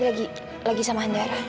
iya sih ma